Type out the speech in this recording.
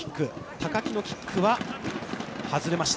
高木のキックは外れました。